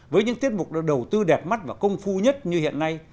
với những tiết mục đã đầu tư đẹp mắt và công phu nhất như hiện nay